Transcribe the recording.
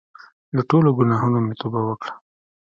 له ټولو ګناهونو مې توبه وکړه.